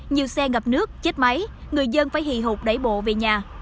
nhiều xe ngập nước chết máy người dân phải hì hụt đẩy bộ về nhà